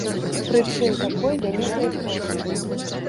Прычым такой вялізнай плошчай.